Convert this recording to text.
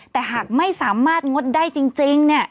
แต่หากไม่สามารถงดได้จริง